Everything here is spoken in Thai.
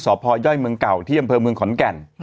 พย่อยเมืองเก่าที่อำเภอเมืองขอนแก่น